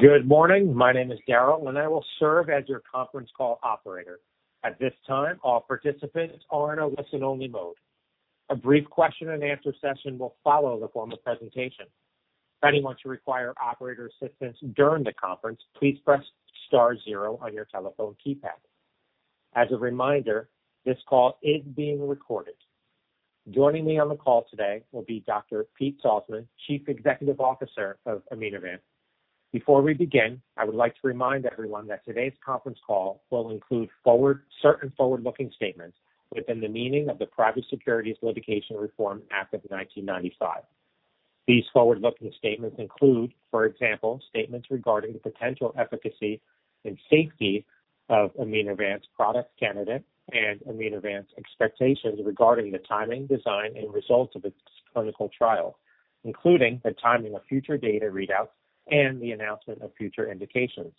Good morning. My name is Daryl, and I will serve as your conference call operator. At this time, all participants are in a listen-only mode. A brief question and answer session will follow the formal presentation. If anyone should require operator assistance during the conference, please press star zero on your telephone keypad. As a reminder, this call is being recorded. Joining me on the call today will be Dr. Pete Salzmann, Chief Executive Officer of Immunovant. Before we begin, I would like to remind everyone that today's conference call will include certain forward-looking statements within the meaning of the Private Securities Litigation Reform Act of 1995. These forward-looking statements include, for example, statements regarding the potential efficacy and safety of Immunovant's product candidate and Immunovant's expectations regarding the timing, design, and results of its clinical trial, including the timing of future data readouts and the announcement of future indications.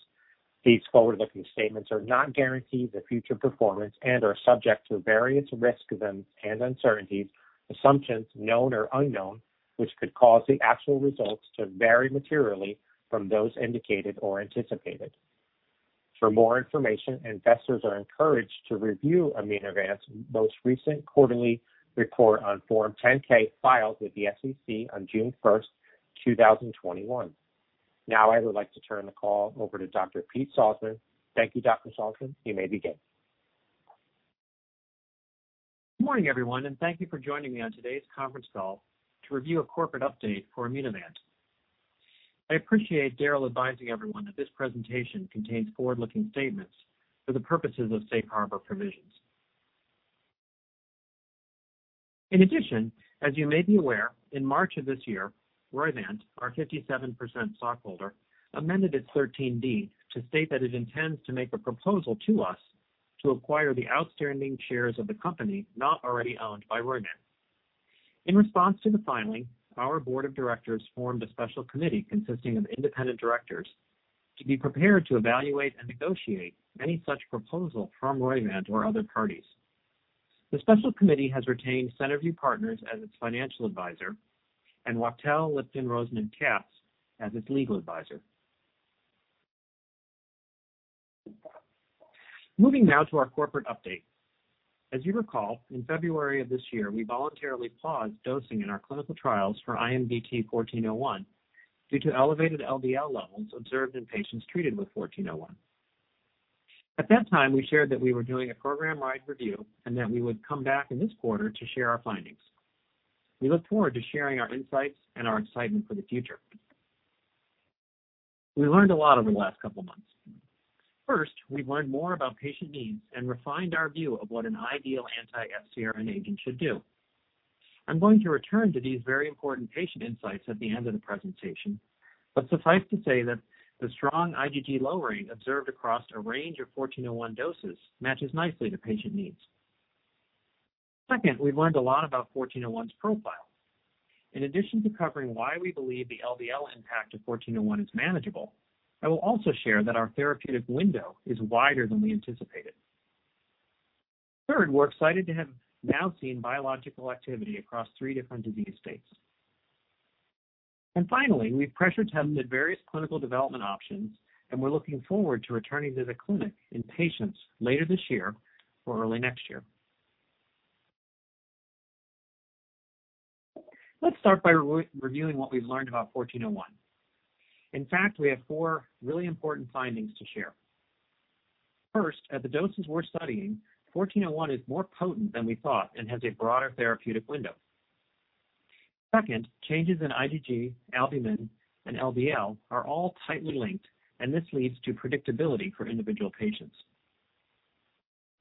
These forward-looking statements are not guarantees of future performance and are subject to various risks and uncertainties, assumptions known or unknown, which could cause the actual results to vary materially from those indicated or anticipated. For more information, investors are encouraged to review Immunovant's most recent quarterly report on Form 10-K filed with the SEC on June 1st, 2021. I would like to turn the call over to Dr. Pete Salzmann. Thank you, Dr. Salzmann. You may begin. Good morning, everyone. Thank you for joining me on today's conference call to review a corporate update for Immunovant. I appreciate Daryl advising everyone that this presentation contains forward-looking statements for the purposes of safe harbor provisions. As you may be aware, in March of this year, Roivant, our 57% stockholder, amended its 13D to state that it intends to make a proposal to us to acquire the outstanding shares of the company not already owned by Roivant. In response to the filing, our board of directors formed a special committee consisting of independent directors to be prepared to evaluate and negotiate any such proposal from Roivant or other parties. The special committee has retained Centerview Partners as its financial advisor and Wachtell, Lipton, Rosen & Katz as its legal advisor. Moving now to our corporate update. As you recall, in February of this year, we voluntarily paused dosing in our clinical trials for IMVT-1401 due to elevated LDL levels observed in patients treated with 1401. At that time, we shared that we were doing a program-wide review and that we would come back in this quarter to share our findings. We look forward to sharing our insights and our excitement for the future. We learned a lot over the last couple of months. First, we've learned more about patient needs and refined our view of what an ideal anti-FcRn agent should do. I'm going to return to these very important patient insights at the end of the presentation, but suffice to say that the strong IgG lowering observed across a range of 1401 doses matches nicely to patient needs. Second, we've learned a lot about 1401's profile. In addition to covering why we believe the LDL impact of 1401 is manageable, I will also share that our therapeutic window is wider than we anticipated. We're excited to have now seen biological activity across three different disease states. Finally, we've pressed ahead with various clinical development options, and we're looking forward to returning to the clinic in patients later this year or early next year. Let's start by reviewing what we've learned about 1401. In fact, we have four really important findings to share. First, at the doses we're studying, 1401 is more potent than we thought and has a broader therapeutic window. Second, changes in IgG, albumin, and LDL are all tightly linked, and this leads to predictability for individual patients.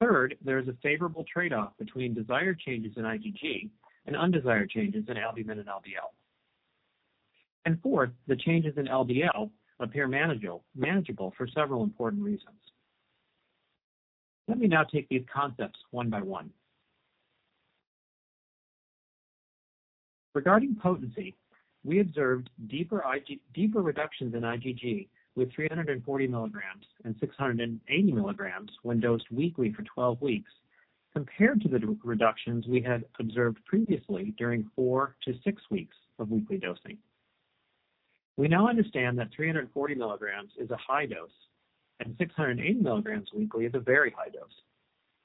Third, there's a favorable trade-off between desired changes in IgG and undesired changes in albumin and LDL. Fourth, the changes in LDL appear manageable for several important reasons. Let me now take these concepts one by one. Regarding potency, we observed deeper reductions in IgG with 340 mg and 680 mg when dosed weekly for 12 weeks compared to the reductions we had observed previously during 4-6 weeks of weekly dosing. We now understand that 340 mg is a high dose and 680 mg weekly is a very high dose,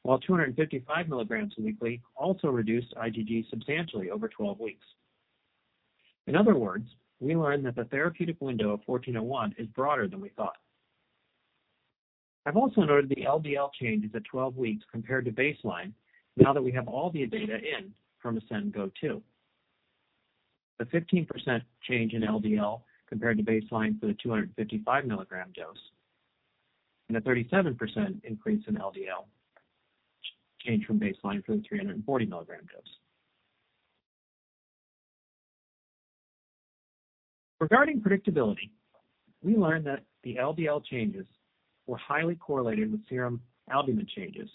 while 255 mg weekly also reduced IgG substantially over 12 weeks. In other words, we learned that the therapeutic window of 1401 is broader than we thought. I've also noted the LDL changes at 12 weeks compared to baseline now that we have all the data in from ASCEND GO-2. The 15% change in LDL compared to baseline for the 255 mg dose and a 37% increase in LDL change from baseline for the 340 mg dose. Regarding predictability, we learned that the LDL changes were highly correlated with serum albumin changes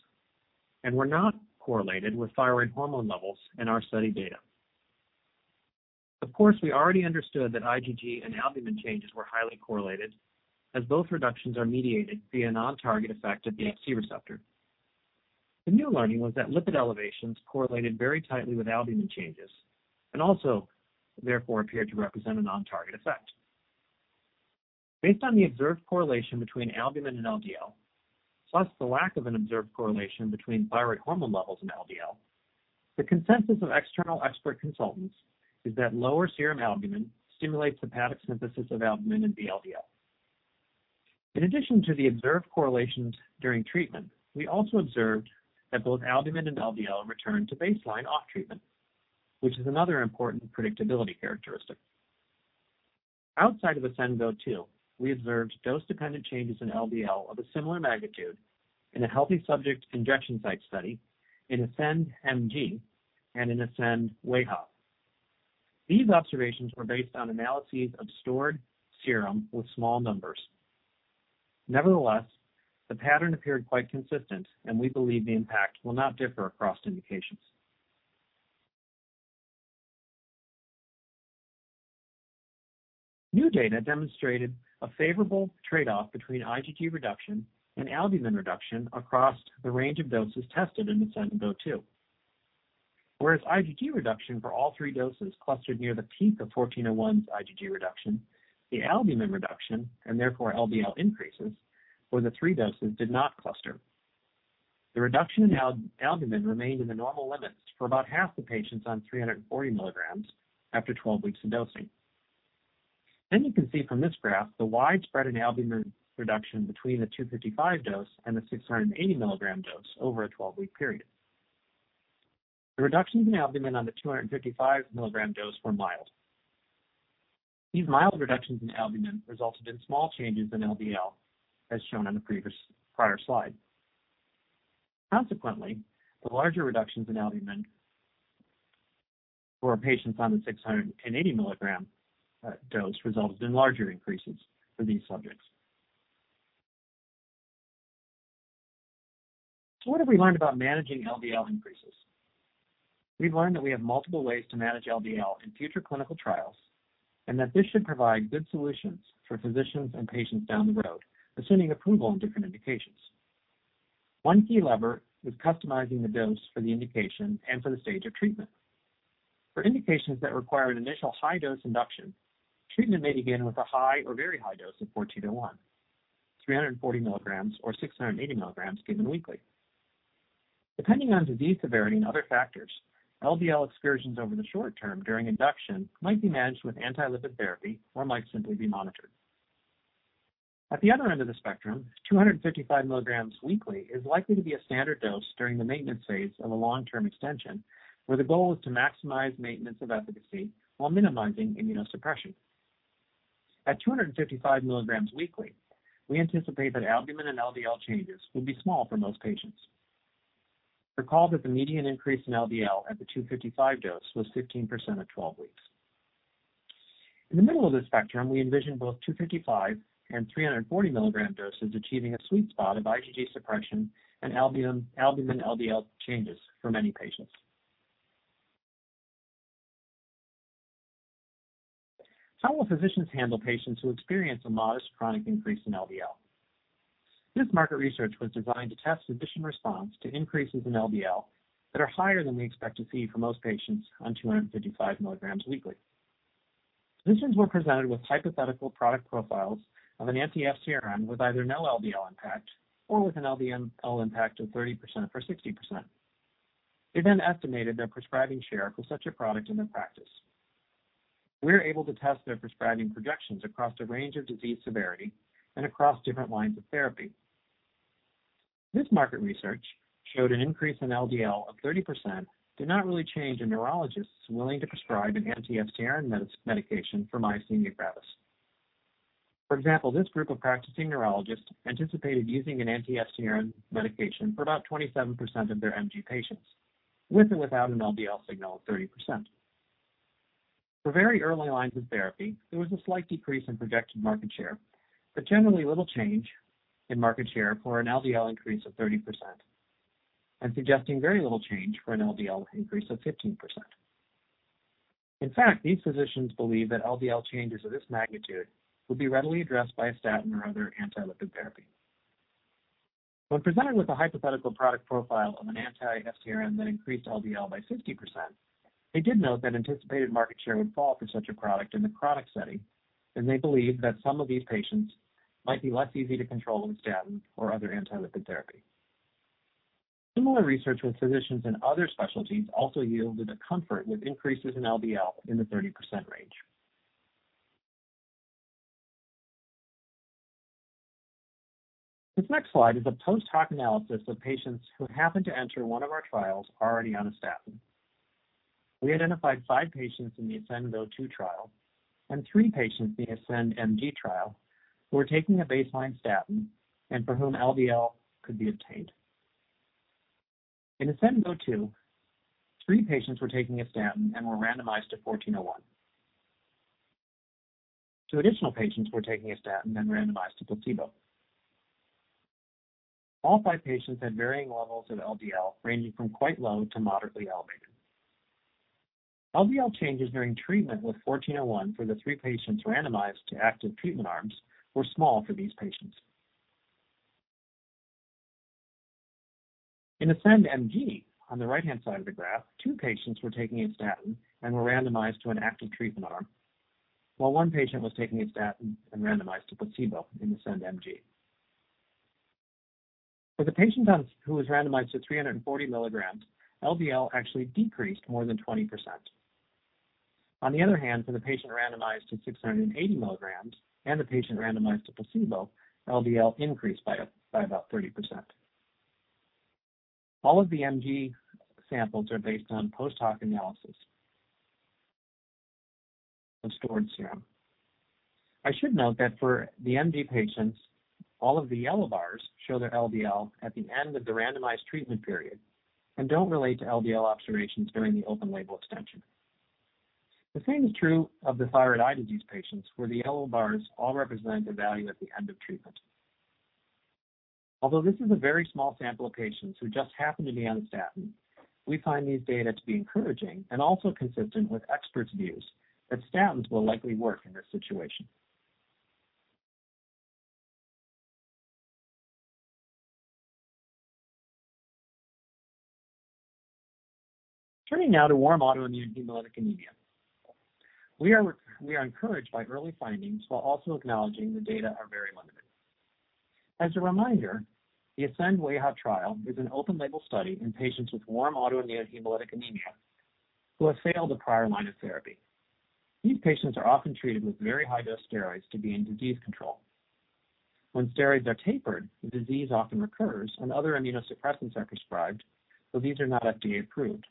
and were not correlated with thyroid hormone levels in our study data. Of course, we already understood that IgG and albumin changes were highly correlated, as both reductions are mediated via non-target effect of the Fc receptor. The new learning was that lipid elevations correlated very tightly with albumin changes, and also therefore appeared to represent an on-target effect. Based on the observed correlation between albumin and LDL, plus the lack of an observed correlation between thyroid hormone levels and LDL, the consensus of external expert consultants is that lower serum albumin stimulates hepatic synthesis of albumin in the LDL. In addition to the observed correlations during treatment, we also observed that both albumin and LDL returned to baseline off treatment, which is another important predictability characteristic. Outside of ASCEND GO-2, we observed dose-dependent changes in LDL of a similar magnitude in a healthy subject injection site study in ASCEND-MG and in ASCEND-WAIHA. These observations were based on analyses of stored serum with small numbers. Nevertheless, the pattern appeared quite consistent, and we believe the impact will not differ across indications. New data demonstrated a favorable trade-off between IgG reduction and albumin reduction across the range of doses tested in ASCEND GO-2. Whereas IgG reduction for all three doses clustered near the peak of 1401's IgG reduction, the albumin reduction, and therefore LDL increases, for the three doses did not cluster. The reduction in albumin remained in the normal limits for about half the patients on 340 mg after 12 weeks of dosing. You can see from this graph the widespread albumin reduction between the 255 mg dose and the 680 mg dose over a 12-week period. The reductions in albumin on the 255 mg dose were mild. These mild reductions in albumin resulted in small changes in LDL, as shown on the prior slide. Consequently, the larger reductions in albumin for patients on the 680 mg dose resulted in larger increases for these subjects. What have we learned about managing LDL increases? We've learned that we have multiple ways to manage LDL in future clinical trials, and that this should provide good solutions for physicians and patients down the road, assuming approval in different indications. One key lever was customizing the dose for the indication and for the stage of treatment. For indications that require an initial high-dose induction, treatment may begin with a high or very high dose of 1401, 340 mg or 680 mg given weekly. Depending on disease severity and other factors, LDL excursions over the short term during induction might be managed with anti-lipid therapy or might simply be monitored. At the other end of the spectrum, 255 mg weekly is likely to be a standard dose during the maintenance phase of a long-term extension, where the goal is to maximize maintenance of efficacy while minimizing immunosuppression. At 255 mg weekly, we anticipate that albumin and LDL changes will be small for most patients. Recall that the median increase in LDL at the 255 mg dose was 15% at 12 weeks. In the middle of the spectrum, we envision both 255 mg and 340 mg doses achieving a sweet spot of IgG suppression and albumin-LDL changes for many patients. How will physicians handle patients who experience a modest chronic increase in LDL? This market research was designed to test physician response to increases in LDL that are higher than we expect to see for most patients on 255 mg weekly. Physicians were presented with hypothetical product profiles of an anti-FcRn with either no LDL impact or with an LDL impact of 30% or 60%. They estimated their prescribing share for such a product in their practice. We were able to test their prescribing projections across a range of disease severity and across different lines of therapy. This market research showed an increase in LDL of 30% did not really change a neurologist's willing to prescribe an anti-FcRn medication for myasthenia gravis. For example, this group of practicing neurologists anticipated using an anti-FcRn medication for about 27% of their MG patients, with or without an LDL signal of 30%. For very early lines of therapy, there was a slight decrease in projected market share, but generally little change in market share for an LDL increase of 30%, and suggesting very little change for an LDL increase of 15%. In fact, these physicians believe that LDL changes of this magnitude would be readily addressed by a statin or other anti-lipid therapy. When presented with a hypothetical product profile of an anti-FcRn that increased LDL by 50%, they did note that anticipated market share would fall for such a product in this product study, and they believe that some of these patients might be less easy to control with statins or other anti-lipid therapy. Similar research with physicians in other specialties also yielded a comfort with increases in LDL in the 30% range. This next slide is a post-hoc analysis of patients who happened to enter one of our trials already on a statin. We identified five patients in the ASCEND GO-2 trial and three patients in the ASCEND-MG trial who were taking a baseline statin and for whom LDL could be obtained. In ASCEND GO-2, three patients were taking a statin and were randomized to 1401. Two additional patients were taking a statin, then randomized to placebo. All five patients had varying levels of LDL ranging from quite low to moderately elevated. LDL changes during treatment with 1401 for the three patients randomized to active treatment arms were small for these patients. In ASCEND-MG, on the right-hand side of the graph, two patients were taking a statin and were randomized to an active treatment arm, while one patient was taking a statin and randomized to placebo in ASCEND-MG. For the patient who was randomized to 340 mg, LDL actually decreased more than 20%. On the other hand, for the patient randomized to 680 mg and the patient randomized to placebo, LDL increased by about 30%. All of the MG samples are based on post-hoc analysis of stored serum. I should note that for the MG patients, all of the yellow bars show their LDL at the end of the randomized treatment period and don't relate to LDL observations during the open-label extension. The same is true of the thyroid eye disease patients, where the yellow bars all represent a value at the end of treatment. Although this is a very small sample of patients who just happen to be on statin, we find these data to be encouraging and also consistent with experts' views that statins will likely work in this situation. Turning now to warm autoimmune hemolytic anemia. We are encouraged by early findings while also acknowledging the data are very limited. As a reminder, the ASCEND-WAIHA trial is an open-label study in patients with warm autoimmune hemolytic anemia who have failed a prior line of therapy. These patients are often treated with very high-dose steroids to be in disease control. When steroids are tapered, the disease often recurs, and other immunosuppressants are prescribed, though these are not FDA-approved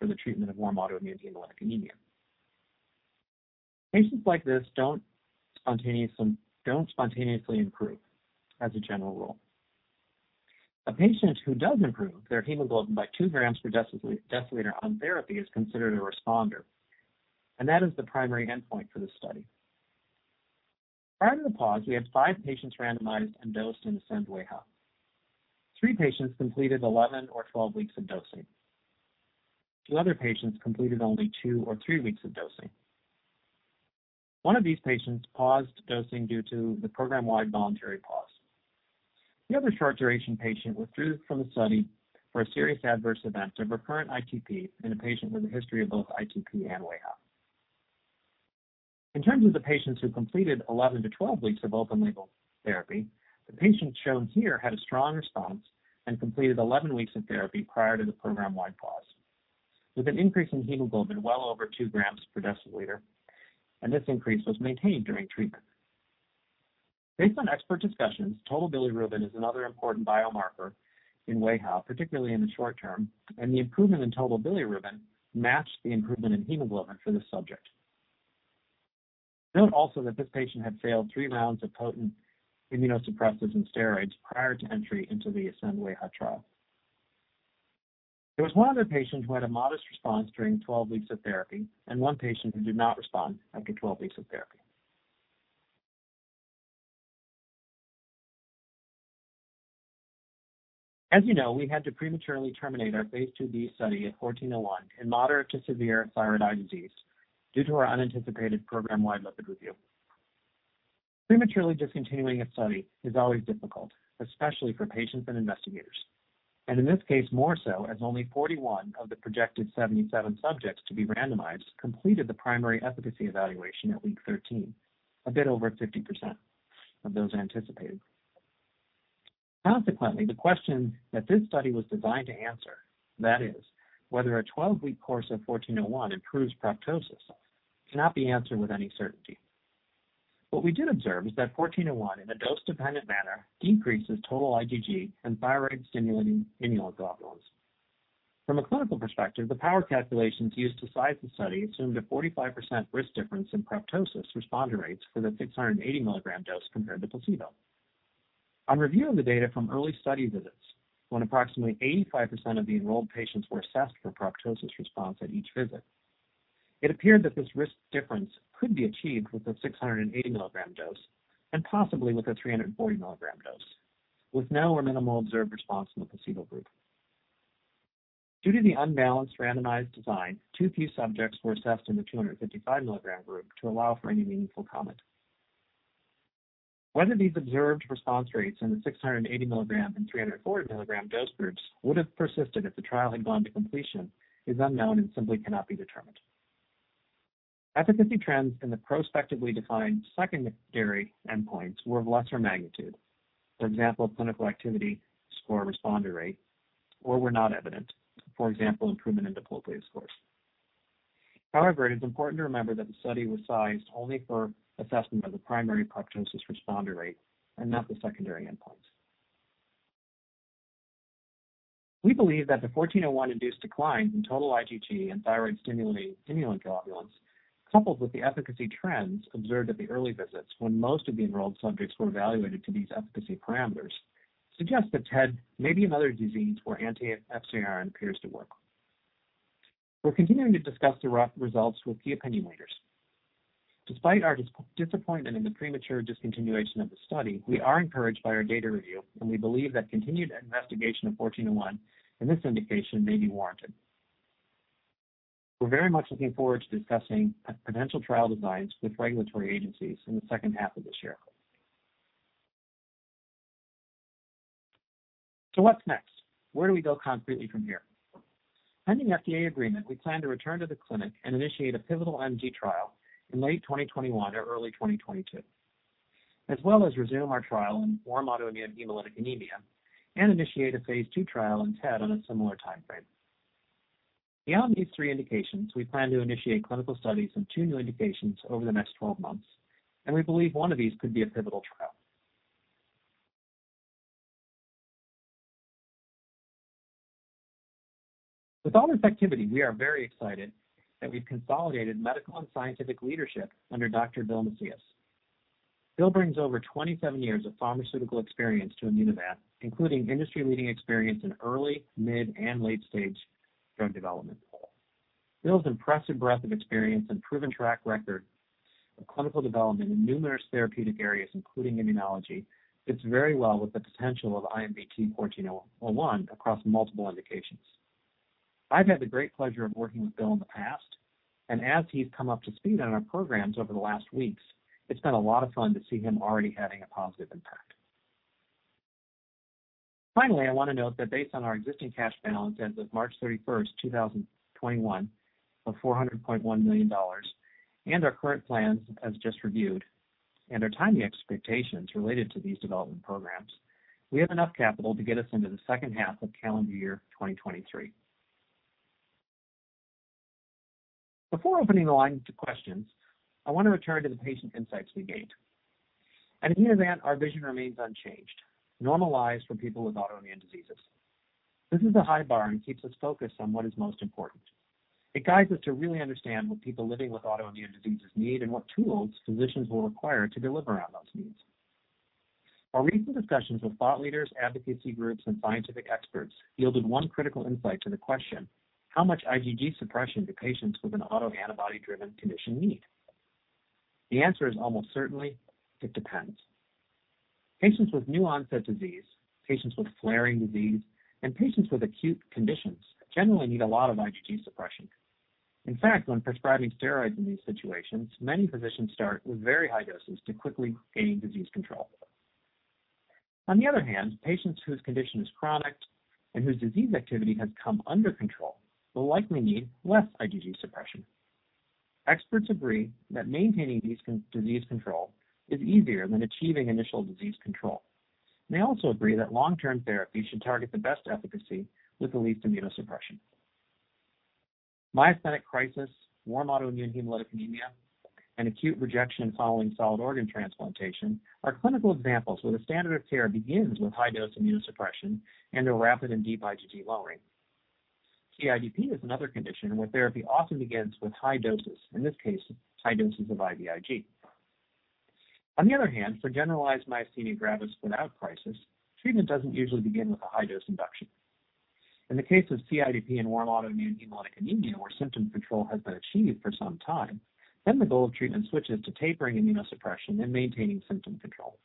for the treatment of warm autoimmune hemolytic anemia. Patients like this don't spontaneously improve as a general rule. A patient who does improve their hemoglobin by two g/dL on therapy is considered a responder, and that is the primary endpoint for this study. Prior to the pause, we had five patients randomized and dosed in ASCEND-WAIHA. Three patients completed 11 or 12 weeks of dosing. Two other patients completed only two or three weeks of dosing. One of these patients paused dosing due to the program-wide voluntary pause. The other short-duration patient withdrew from the study for a serious adverse event of recurrent ITP in a patient with a history of both ITP and WAIHA. In terms of the patients who completed 11-12 weeks of open-label therapy, the patient shown here had a strong response and completed 11 weeks of therapy prior to the program-wide pause, with an increase in hemoglobin well over 2 g/dL, and this increase was maintained during treatment. Based on expert discussions, total bilirubin is another important biomarker in WAIHA, particularly in the short term, and the improvement in total bilirubin matched the improvement in hemoglobin for this subject. Note also that this patient had failed three rounds of potent immunosuppressants and steroids prior to entry into the ASCEND-WAIHA trial. There was one other patient who had a modest response during 12 weeks of therapy and one patient who did not respond after 12 weeks of therapy. As you know, we had to prematurely terminate our phase II-B study of 1401 in moderate to severe thyroid eye disease due to our unanticipated program-wide medical review. Prematurely discontinuing a study is always difficult, especially for patients and investigators, and in this case more so as only 41 of the projected 77 subjects to be randomized completed the primary efficacy evaluation at week 13, a bit over 50% of those anticipated. Consequently, the question that this study was designed to answer, that is, whether a 12-week course of 1401 improves proptosis, cannot be answered with any certainty. What we do observe is that 1401, in a dose-dependent manner, decreases total IgG and thyroid-stimulating immunoglobulins. From a clinical perspective, the power calculations used to size the study assumed a 45% risk difference in proptosis responder rates for the 680 mg dose compared to placebo. On review of the data from early study visits, when approximately 85% of the enrolled patients were assessed for proptosis response at each visit, it appeared that this risk difference could be achieved with a 680 mg dose and possibly with a 340 mg dose, with no or minimal observed response in the placebo group. Due to the unbalanced randomized design, too few subjects were assessed in the 255 mg group to allow for any meaningful comment. Whether these observed response rates in the 680 mg and 340 mg dose groups would have persisted if the trial had gone to completion is unknown and simply cannot be determined. Efficacy trends in the prospectively defined secondary endpoints were of lesser magnitude, for example, clinical activity score responder rate, or were not evident, for example, improvement in the full dose course. It's important to remember that the study was sized only for assessment of the primary proptosis responder rate and not the secondary endpoints. We believe that the 1401-induced decline in total IgG and thyroid-stimulating immunoglobulin, coupled with the efficacy trends observed at the early visits when most of the enrolled subjects were evaluated to these efficacy parameters, suggest that TED may be another disease where anti-FcRn appears to work. We're continuing to discuss the results with key opinion leaders. Despite our disappointment in the premature discontinuation of the study, we are encouraged by our data review, and we believe that continued investigation of 1401 in this indication may be warranted. We're very much looking forward to discussing potential trial designs with regulatory agencies in the second half of this year. What's next? Where do we go concretely from here? Pending FDA agreement, we plan to return to the clinic and initiate a pivotal MG trial in late 2021 or early 2022, as well as resume our trial in warm autoimmune hemolytic anemia and initiate a phase II trial in TED on a similar timeframe. Beyond these three indications, we plan to initiate clinical studies in two new indications over the next 12 months. We believe one of these could be a pivotal trial. With all this activity, we are very excited that we've consolidated medical and scientific leadership under Dr. Bill Macias. Bill brings over 27 years of pharmaceutical experience to Immunovant, including industry-leading experience in early, mid, and late-stage drug development. Bill's impressive breadth of experience and proven track record of clinical development in numerous therapeutic areas, including immunology, fits very well with the potential of IMVT-1401 across multiple indications. I've had the great pleasure of working with Bill in the past, and as he's come up to speed on our programs over the last weeks, it's been a lot of fun to see him already having a positive impact. Finally, I want to note that based on our existing cash balance as of March 31st, 2021 of $400.1 million, and our current plans as just reviewed, and our timely expectations related to these development programs, we have enough capital to get us into the second half of calendar year 2023. Before opening the line to questions, I want to return to the patient insights we gained. At Immunovant, our vision remains unchanged, normalized for people with autoimmune diseases. This is a high bar and keeps us focused on what is most important. It guides us to really understand what people living with autoimmune diseases need and what tools physicians will require to deliver on those needs. Our recent discussions with thought leaders, advocacy groups, and scientific experts yielded one critical insight to the question: how much IgG suppression do patients with an autoantibody-driven condition need? The answer is almost certainly, it depends. Patients with new-onset disease, patients with flaring disease, and patients with acute conditions generally need a lot of IgG suppression. In fact, when prescribing steroids in these situations, many physicians start with very high doses to quickly gain disease control. On the other hand, patients whose condition is chronic and whose disease activity has come under control will likely need less IgG suppression. Experts agree that maintaining disease control is easier than achieving initial disease control, and they also agree that long-term therapy should target the best efficacy with the least immunosuppression. myasthenic crisis, warm autoimmune hemolytic anemia, and acute rejection following solid organ transplantation are clinical examples where the standard of care begins with high-dose immunosuppression and a rapid and deep IgG lowering. CIDP is another condition where therapy often begins with high doses, in this case, high doses of IVIG. On the other hand, for generalized myasthenia gravis without crisis, treatment doesn't usually begin with a high-dose induction. In the case of CIDP and warm autoimmune hemolytic anemia, where symptom control has been achieved for some time, then the goal of treatment switches to tapering immunosuppression and maintaining symptom control.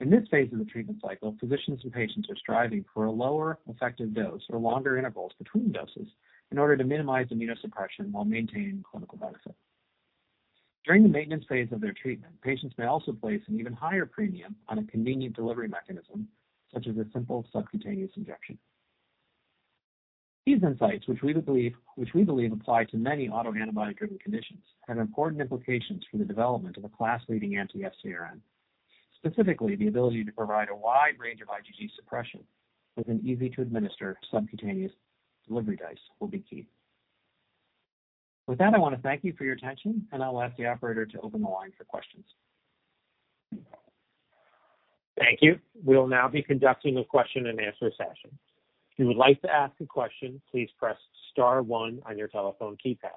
In this phase of the treatment cycle, physicians and patients are striving for a lower effective dose or longer intervals between doses in order to minimize immunosuppression while maintaining clinical benefit. During the maintenance phase of their treatment, patients may also place an even higher premium on a convenient delivery mechanism, such as a simple subcutaneous injection. These insights, which we believe apply to many autoantibody-driven conditions, have important implications for the development of a class-leading anti-FcRn. Specifically, the ability to provide a wide range of IgG suppression with an easy-to-administer subcutaneous delivery device will be key. With that, I want to thank you for your attention, and I'll ask the operator to open the line for questions. Thank you. We'll now be conducting a question-and-answer session. If you would like to ask a question, please press star one on your telephone keypad.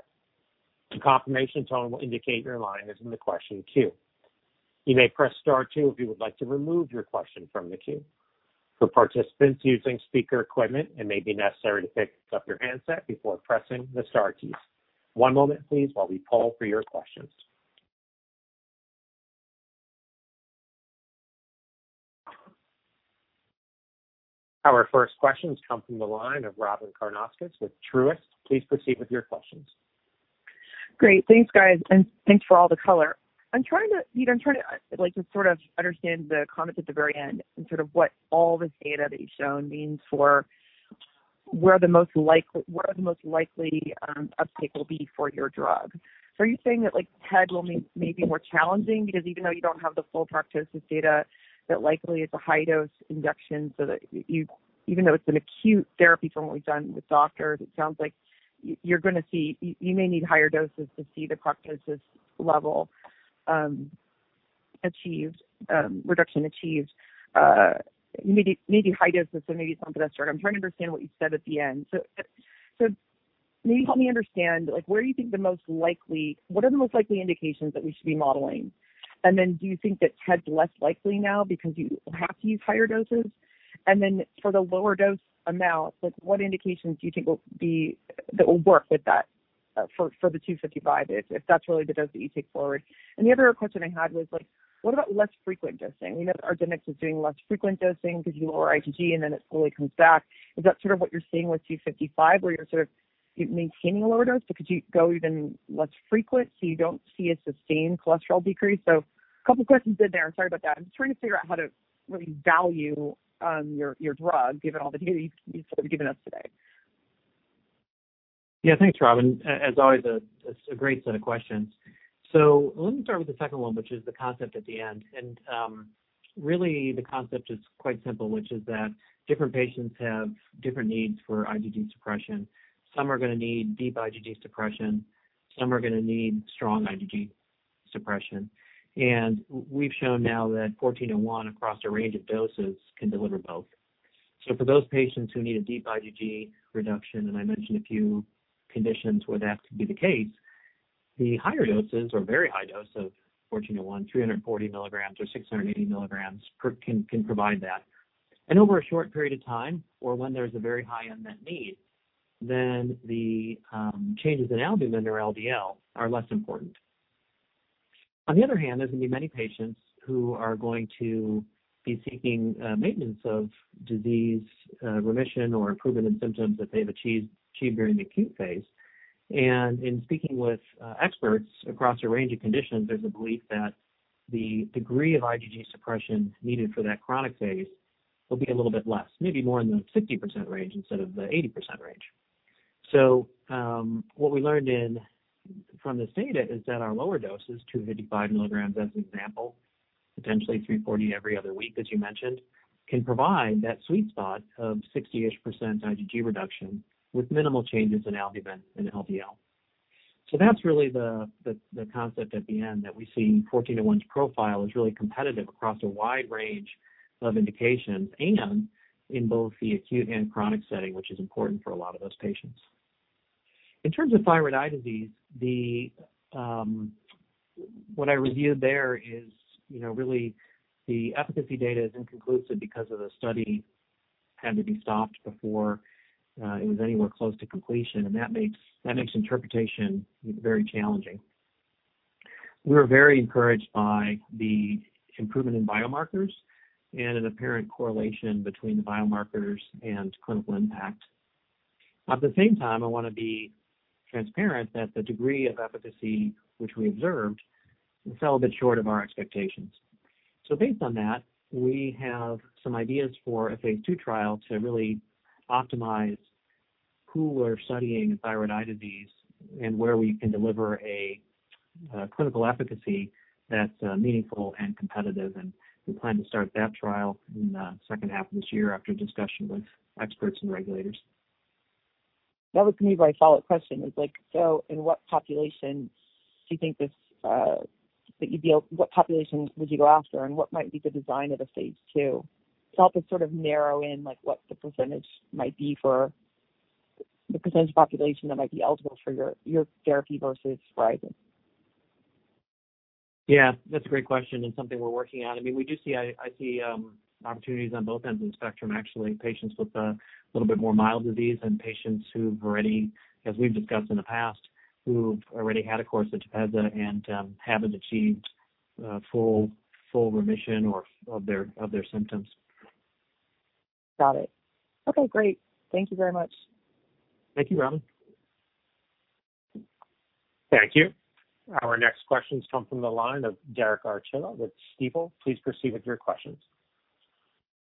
A confirmation tone will indicate your line is in the question queue. You may press star two if you would like to remove your question from the queue. For participants using speaker equipment, it may be necessary to pick up your handset before pressing the star keys. One moment please while we poll for your questions. Our first question comes from the line of Robyn Karnauskas with Truist. Please proceed with your questions. Great. Thanks, guys, and thanks for all the color. I'd like to sort of understand the comments at the very end and sort of what all this data that you've shown means for where the most likely uptake will be for your drug. Are you saying that TED will be maybe more challenging because even though you don't have the full practice data, that likely it's a high dose induction so that even though it's an acute therapy generally done with doctors, it sounds like you may need higher doses to see the practice level reduction achieved, maybe high doses, so maybe something to start. I'm trying to understand what you said at the end. Can you help me understand what are the most likely indications that we should be modeling? Do you think that TED's less likely now because you have to use higher doses? For the lower dose amount, what indications do you think will work with that for the 255 mg if that's really the dose that you take forward? The other question I had was, what about less frequent dosing? We know argenx is doing less frequent dosing because you lower IgG and then it slowly comes back. Is that sort of what you're seeing with 255 mg, where you're sort of maintaining lower dose? Could you go even less frequent so you don't see a sustained cholesterol decrease? A couple questions in there. Sorry about that. I'm just trying to figure out how to really value your drug given all the data you've sort of given us today. Yeah. Thanks, Robyn. As always, that's a great set of questions. Let me start with the second one, which is the concept at the end. Really the concept is quite simple, which is that different patients have different needs for IgG suppression. Some are going to need deep IgG suppression. Some are going to need strong IgG suppression. We've shown now that 1401 across a range of doses can deliver both. For those patients who need a deep IgG reduction, and I mentioned a few conditions where that could be the case, the higher doses or very high dose of 1401, 340 mg or 680 mg can provide that. Over a short period of time or when there's a very high unmet need, then the changes in albumin or LDL are less important. On the other hand, there's going to be many patients who are going to be seeking maintenance of disease remission or improvement in symptoms that they've achieved during the acute phase. In speaking with experts across a range of conditions, there's a belief that the degree of IgG suppression needed for that chronic phase will be a little bit less, maybe more in the 50% range instead of the 80% range. What we learned from this data is that our lower dose is 255 mg as an example, potentially 340 mg every other week, as you mentioned, can provide that sweet spot of 60-ish percent IgG reduction with minimal changes in albumin and LDL. That's really the concept at the end, that we've seen 1401's profile is really competitive across a wide range of indications and in both the acute and chronic setting, which is important for a lot of those patients. In terms of thyroid eye disease, what I reviewed there is really the efficacy data is inconclusive because of the study had to be stopped before it was anywhere close to completion, and that makes interpretation very challenging. We are very encouraged by the improvement in biomarkers and an apparent correlation between the biomarkers and clinical impact. At the same time, I want to be transparent that the degree of efficacy which we observed fell a bit short of our expectations. Based on that, we have some ideas for a phase II trial to really optimize who we're studying in thyroid eye disease and where we can deliver a clinical efficacy that's meaningful and competitive, and we plan to start that trial in the second half of this year after discussion with experts and regulators. That was going to be my follow-up question was, in what populations would you go after and what might be the design of a phase II to help us sort of narrow in what the percentage might be for the potential population that might be eligible for your therapy versus TEPEZZA? Yeah, that's a great question and something we're working on. I mean, we do see, I see opportunities on both ends of the spectrum, actually, in patients with a little bit more mild disease and patients who've already, as we've discussed in the past, who've already had a course of TEPEZZA and haven't achieved full remission of their symptoms. Got it. Okay, great. Thank you very much. Thank you, Robyn. Thank you. Our next question comes from the line of Derek Archila with Stifel. Please proceed with your questions.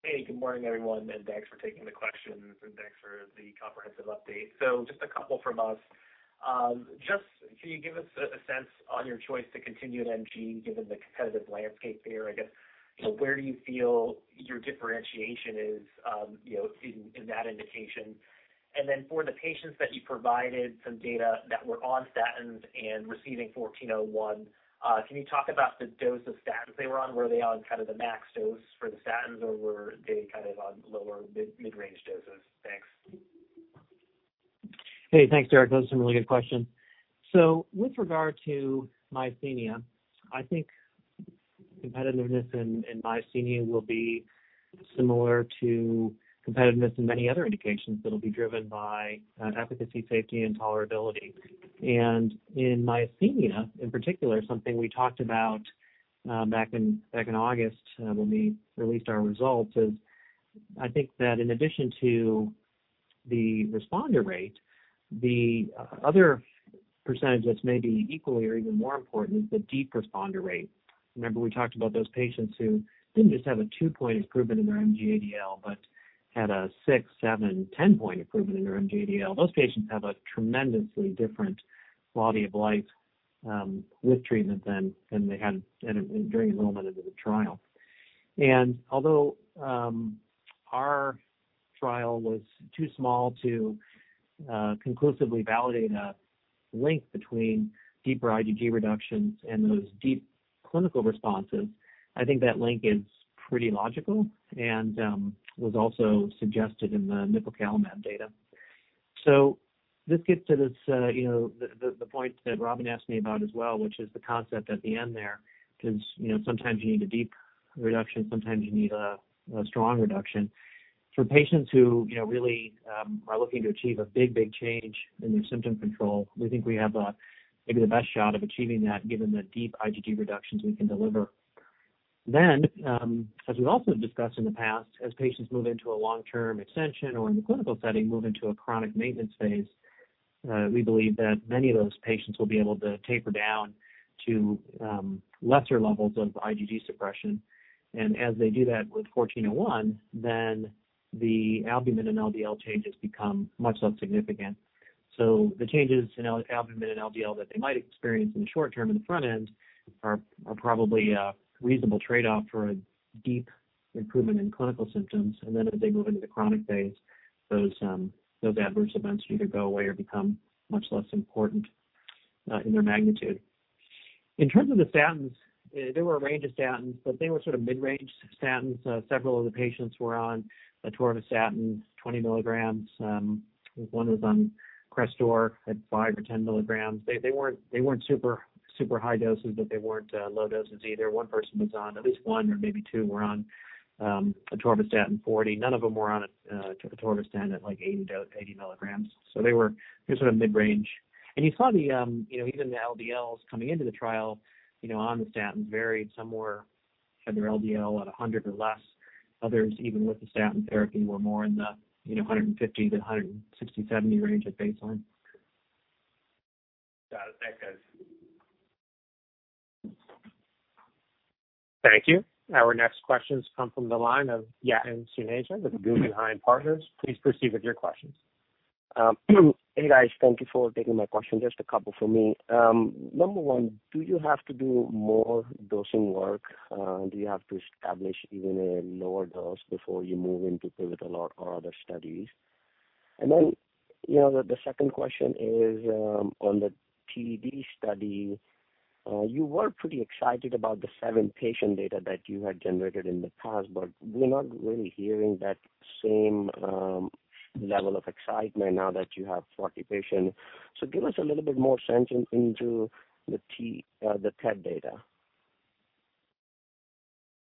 Hey, good morning, everyone, and thanks for taking the questions and thanks for the comprehensive update. Just a couple from us. Just can you give us a sense on your choice to continue in MG given the competitive landscape there? I guess, where do you feel your differentiation is in that indication? For the patients that you provided some data that were on statins and receiving 1401, can you talk about the dose of statins they were on? Were they on the max dose for the statins, or were they on lower mid-range doses? Thanks. Hey, thanks, Derek. Those are some really good questions. With regard to myasthenia, I think competitiveness in myasthenia will be similar to competitiveness in many other indications that'll be driven by efficacy, safety, and tolerability. In myasthenia, in particular, something we talked about back in August when we released our results is I think that in addition to the responder rate, the other percentage that's maybe equally or even more important is the deep responder rate. Remember, we talked about those patients who didn't just have a 2-point improvement in their MG-ADL, but had a 6, 7, 10-point improvement in their MG-ADL. Those patients have a tremendously different quality of life with treatment than they had during the moment of the trial. Although our trial was too small to conclusively validate a link between deeper IgG reductions and those deep clinical responses, I think that link is pretty logical and was also suggested in the nipocalimab data. This gets to the point that Robyn asked me about as well, which is the concept at the end there, because sometimes you need a deep reduction, sometimes you need a strong reduction. For patients who really are looking to achieve a big change in their symptom control, we think we have maybe the best shot of achieving that given the deep IgG reductions we can deliver. As we've also discussed in the past, as patients move into a long-term extension or in the clinical setting, move into a chronic maintenance phase, we believe that many of those patients will be able to taper down to lesser levels of IgG suppression. As they do that with 1401, then the albumin and LDL changes become much less significant. The changes in albumin and LDL that they might experience in short term, in the front end, are probably a reasonable trade-off for a deep improvement in clinical symptoms. As they move into chronic phase, those adverse events either go away or become much less important in their magnitude. In terms of the statins, there were a range of statins, but they were mid-range statins. Several of the patients were on atorvastatin 20 mg. One was on CRESTOR at 5 mg or 10 mg. They weren't super high doses, but they weren't low doses either. One person was on, at least one or maybe two were on atorvastatin 40 mg. None of them were on atorvastatin at 80 mg. They were mid-range. You saw even the LDLs coming into the trial on the statins varied. Some were had their LDL at 100 or less. Others, even with the statin therapy, were more in the 150-160, 170 range at baseline. Got it. Thanks. Thank you. Our next question comes from the line of Yatin Suneja with Guggenheim Partners. Please proceed with your questions. Hey, guys. Thank you for taking my question. Just a couple from me. Number one, do you have to do more dosing work? Do you have to establish even a lower dose before you move into pivotal or other studies? The second question is on the TED study. You were pretty excited about the seven patient data that you had generated in the past, but we're not really hearing that same level of excitement now that you have 40 patients. Give us a little bit more sentiment into the TED data.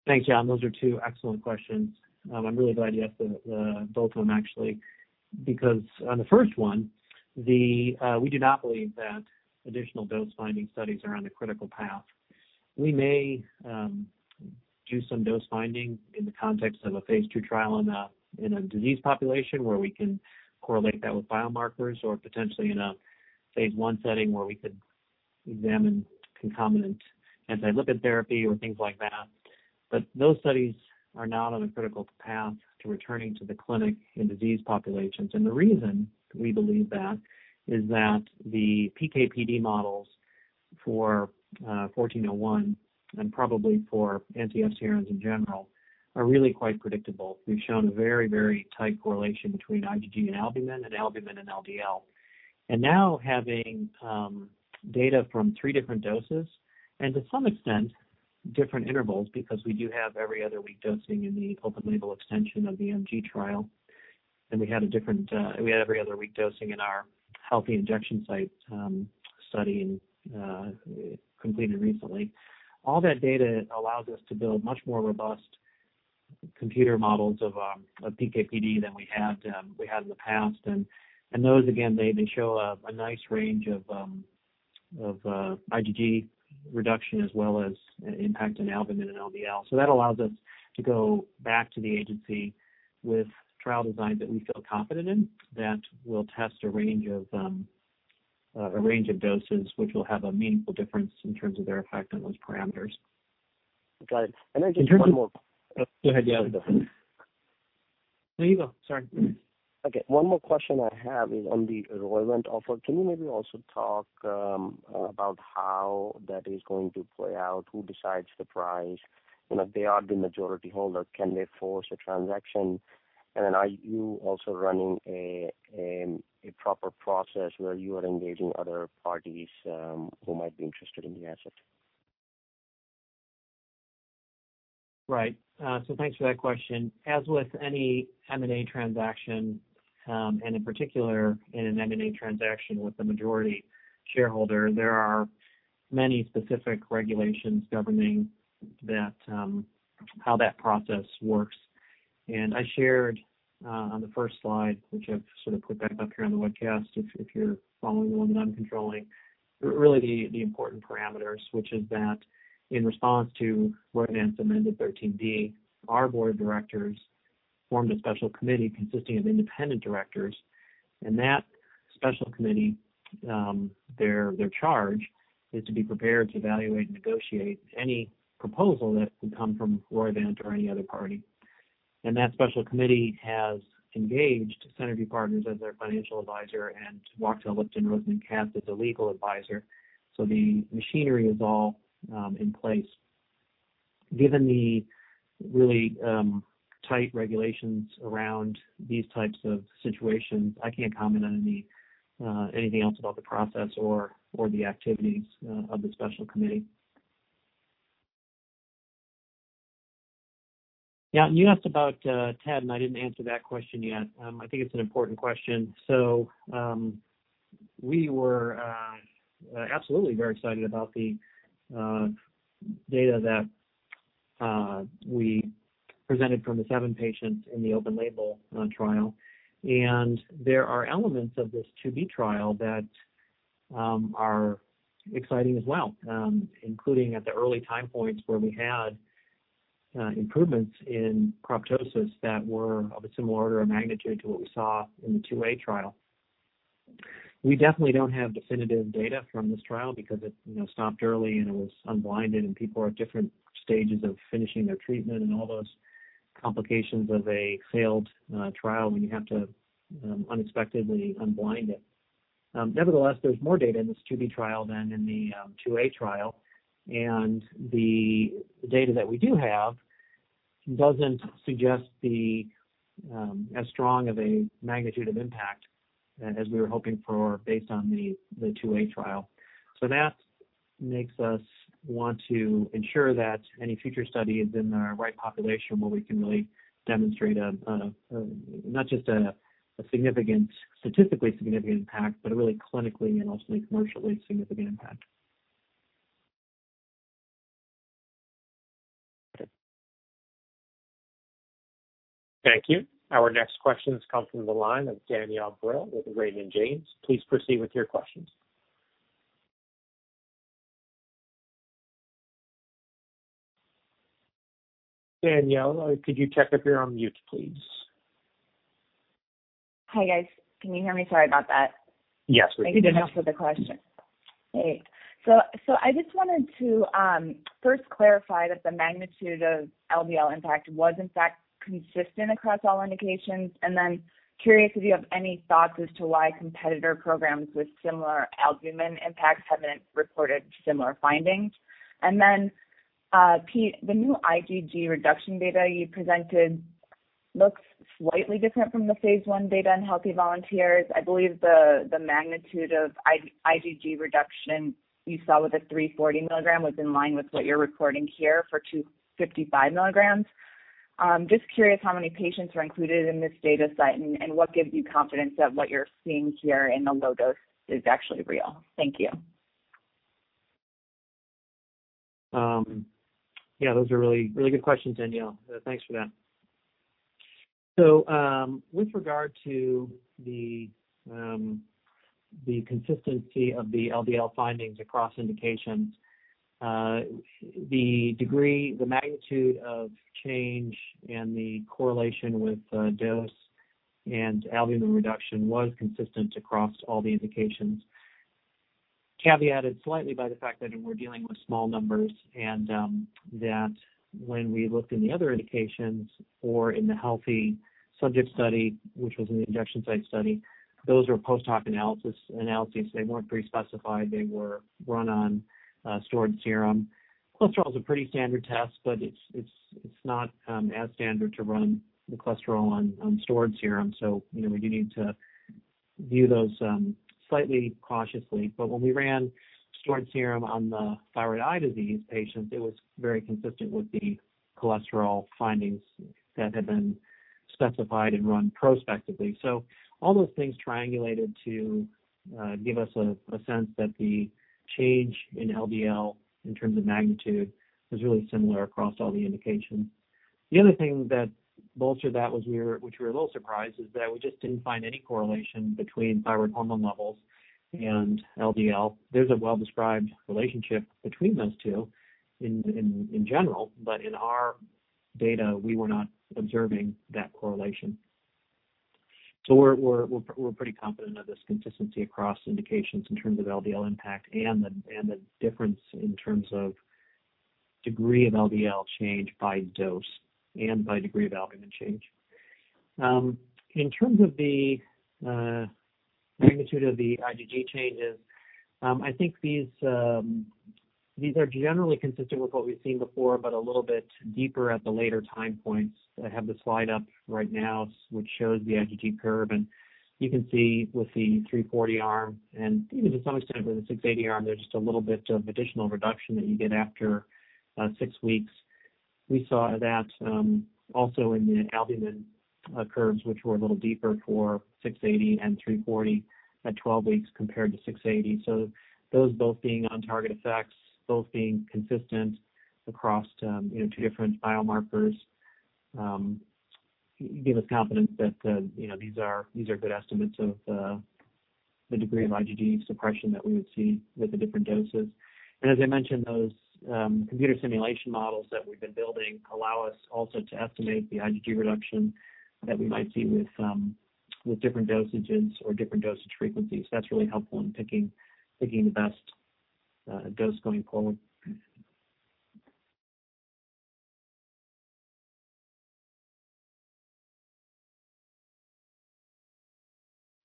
Thanks, Yatin. Those are two excellent questions. I'm really glad you asked both of them actually, because on the first one, we do not believe that additional dose-finding studies are on a critical path. We may do some dose finding in the context of a phase II trial in a disease population where we can correlate that with biomarkers or potentially in a phase I setting where we could examine concomitant anti-lipid therapy or things like that. Those studies are not on a critical path to returning to the clinic in disease populations. The reason we believe that is that the PK/PD models for 1401, and probably for anti-FcRn agents in general, are really quite predictable. We've shown a very tight correlation between IgG and albumin, and albumin and LDL. Now having data from three different doses and to some extent different intervals because we do have every other week dosing in the open label extension of the MG trial. We had every other week dosing in our healthy injection site study completed recently. All that data allows us to build much more robust computer models of PK/PD than we had in the past. Those again, they show a nice range of IgG reduction as well as impact on albumin and LDL. That allows us to go back to the agency with trial designs that we feel confident in, that will test a range of doses, which will have a meaningful difference in terms of their effect on those parameters. Got it. Go ahead, Yatin. No, you go. Sorry. Okay. One more question I have is on the Roivant offer. Can you maybe also talk about how that is going to play out? Who decides the price? They are the majority holder. Can they force a transaction? Are you also running a proper process where you are engaging other parties who might be interested in the asset? Right. Thanks for that question. As with any M&A transaction, and in particular in an M&A transaction with the majority shareholder, there are many specific regulations governing how that process works. I shared on the first slide, which I've sort of put back up here on the webcast, if you're following along and I'm controlling, really the important parameters, which is that in response to Roivant's amended 13D, our board of directors formed a special committee consisting of independent directors and that special committee, their charge is to be prepared to evaluate and negotiate any proposal that could come from Roivant or any other party. That special committee has engaged Centerview Partners as their financial advisor and Wachtell, Lipton, Rosen & Katz as a legal advisor. The machinery is all in place. Given the really tight regulations around these types of situations, I can't comment on anything else about the process or the activities of the special committee. Yeah, you asked about TED. I didn't answer that question yet. I think it's an important question. We were absolutely very excited about the data that we presented from the seven patients in the open label trial. There are elements of this phase II-B trial that are exciting as well, including at the early time points where we had improvements in proptosis that were of a similar magnitude to what we saw in the phase II-A trial. We definitely don't have definitive data from this trial because it stopped early and it was unblinded and people are at different stages of finishing their treatment and all those complications of a failed trial when you have to unexpectedly unblind it. Nevertheless, there's more data in this phase II-B trial than in the phase II-A trial, and the data that we do have doesn't suggest as strong of a magnitude of impact as we were hoping for based on the phase II-A trial. That makes us want to ensure that any future study is in the right population where we can really demonstrate not just a statistically significant impact, but a really clinically and also a commercially significant impact. Thank you. Our next question comes from the line of Danielle Brill with Raymond James. Please proceed with your questions. Danielle, could you check if you're on mute, please? Hi, guys. Can you hear me? Sorry about that. Yes, please. I do now. For the question. Great. I just wanted to first clarify that the magnitude of LDL impact was in fact consistent across all indications, and then curious if you have any thoughts as to why competitor programs with similar albumin impacts haven't reported similar findings? Pete, the new IgG reduction data you presented looks slightly different from the phase I data in healthy volunteers. I believe the magnitude of IgG reduction you saw with the 340 mg was in line with what you're reporting here for 255 mg. Just curious how many patients are included in this data set, and what gives you confidence that what you're seeing here in the low dose is actually real? Thank you. Yeah, those are really good questions, Danielle. Thanks for that. With regard to the consistency of the LDL findings across indications, the degree, the magnitude of change, and the correlation with dose and albumin reduction was consistent across all the indications. Caveated slightly by the fact that we're dealing with small numbers and that when we looked in the other indications or in the healthy subject study, which was an injection site study, those were post-hoc analyses. They weren't pre-specified. They were run on stored serum. Cholesterol is a pretty standard test, but it's not as standard to run cholesterol on stored serum. We need to view those slightly cautiously. When we ran stored serum on the thyroid eye disease patients, it was very consistent with the cholesterol findings that had been specified and run prospectively. All those things triangulated to give us a sense that the change in LDL in terms of magnitude was really similar across all the indications. The other thing that bolstered that, which we were a little surprised, is that we just didn't find any correlation between thyroid hormone levels and LDL. There's a well-described relationship between those two in general, but in our data, we were not observing that correlation. We're pretty confident of this consistency across indications in terms of LDL impact and the difference in terms of degree of LDL change by dose and by degree of albumin change. In terms of the magnitude of the IgG changes, I think these are generally consistent with what we've seen before, but a little bit deeper at the later time points. I have the slide up right now, which shows the IgG curve, and you can see with the 340 mg arm and to some extent with the 680 mg arm, there's just a little bit of additional reduction that you get after six weeks. We saw that also in the albumin curves, which were a little deeper for 680 mg and 340 mg at 12 weeks compared to 680 mg. Those both being on target effects, both being consistent across two different biomarkers, give us confidence that these are good estimates of the degree of IgG suppression that we would see with the different doses. As I mentioned, those computer simulation models that we've been building allow us also to estimate the IgG reduction that we might see with different dosages or different dosage frequencies. That's really helpful in picking the best dose going forward.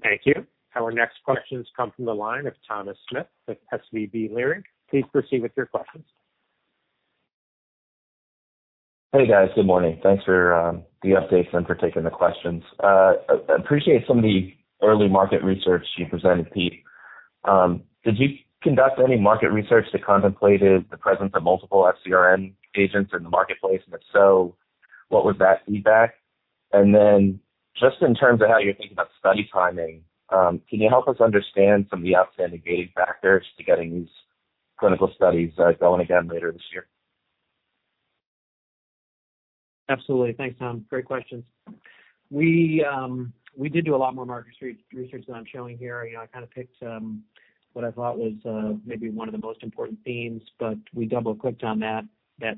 Thank you. Our next question comes from the line of Thomas Smith with SVB Leerink. Please proceed with your questions. Hey, guys. Good morning. Thanks for the updates and for taking the questions. Appreciate some of the early market research you presented, Pete. Did you conduct any market research that contemplated the presence of multiple FcRn agents in the marketplace? If so, what was that feedback? Then just in terms of how you think about study timing, can you help us understand some of the outstanding gate factors to getting these clinical studies going again later this year? Absolutely. Thanks, Tom. Great questions. We did do a lot more market research than I'm showing here. I picked what I thought was maybe one of the most important themes. We double-clicked on that